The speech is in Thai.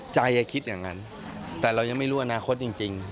คิดอย่างนั้นแต่เรายังไม่รู้อนาคตจริง